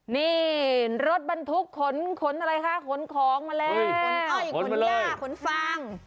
นี่รถบรรทุกขนขนอะไรคะขนของมาแล้วขนอ้อยขนย่าขนฟาง